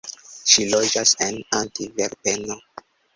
Ŝi loĝas en Antverpeno.